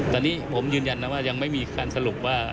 ตอนนี้ผมยืนยันนะว่ายังไม่มีการสรุปว่า